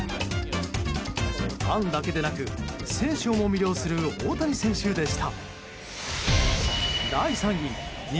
ファンだけでなく選手をも魅了する大谷選手でした。